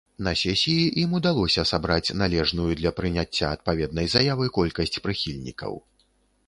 На сесіі ім удалося сабраць належную для прыняцця адпаведнай заявы колькасць прыхільнікаў.